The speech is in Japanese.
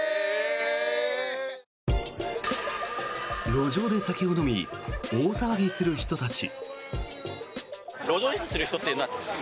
路上で酒を飲み大騒ぎする人たち。